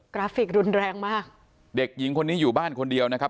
ราฟิกรุนแรงมากเด็กหญิงคนนี้อยู่บ้านคนเดียวนะครับ